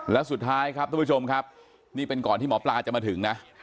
แล้วสุดท้ายครับทุกผู้ชมครับนี่เป็นก่อนที่หมอปลาจะมาถึงนะ